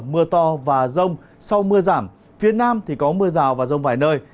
mưa to và rông sau mưa giảm phía nam thì có mưa rào và rông vài nơi